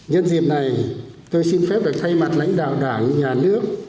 nhân dịp này tôi xin phép được thay mặt lãnh đạo đảng nhà nước